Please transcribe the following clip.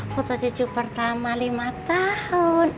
foto cucu pertama lima tahun